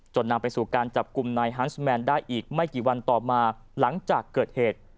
นำไปสู่การจับกลุ่มนายฮันส์แมนได้อีกไม่กี่วันต่อมาหลังจากเกิดเหตุ